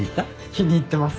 気に入ってます。